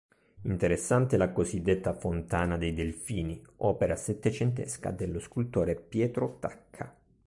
Interessante la cosiddetta Fontana dei Delfini, opera settecentesca dello scultore Pietro Tacca.